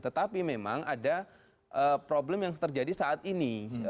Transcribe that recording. tetapi memang ada problem yang terjadi saat ini